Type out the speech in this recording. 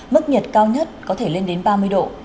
mức nhiệt cao nhất có thể lên đến ba mươi độ